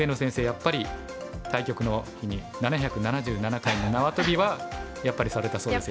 やっぱり対局の日に７７７回の縄跳びはやっぱりされたそうですよ。